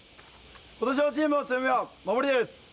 今年のチームの強みは、守りです。